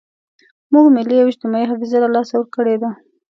موږ ملي او اجتماعي حافظه له لاسه ورکړې ده.